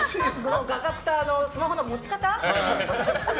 画角とスマホの持ち方？